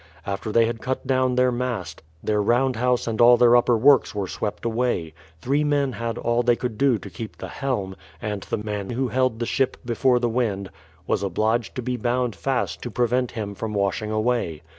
After they had cut down their mast, their round house and all their upper works were swept away; three men had all they could do to keep the helm, and the man who held the ship before the wind was obliged to be bound fast to prevent him from washing away.